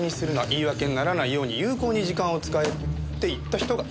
言い訳にならないように有効に時間を使え」って言った人がいます。